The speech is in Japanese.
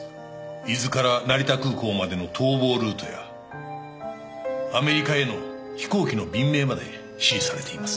伊豆から成田空港までの逃亡ルートやアメリカへの飛行機の便名まで指示されています。